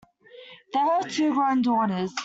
They have two grown daughters.